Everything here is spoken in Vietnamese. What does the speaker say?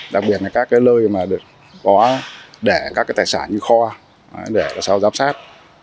đặc biệt là các lơi để các tài sản như kho để sau giám sát